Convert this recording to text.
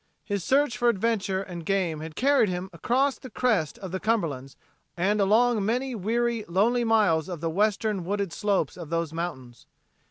His search for adventure and game had carried him across the crest of the Cumberlands and along many weary, lonely miles of the western wooded slopes of those mountains.